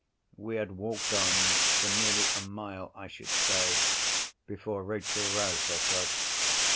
We had walked on, for nearly a mile I should say, before Rachel roused herself.